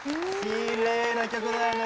きれいな曲だよね。